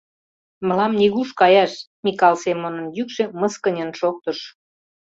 Мылам нигуш каяш, — Микал Семонын йӱкшӧ мыскыньын шоктыш.